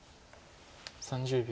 ３０秒。